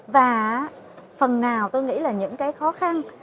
và phần nào tôi nghĩ là những cái khó khăn